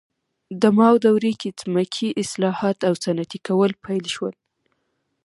د ماو دورې کې ځمکې اصلاحات او صنعتي کول پیل شول.